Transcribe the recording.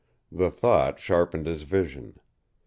The thought sharpened his vision.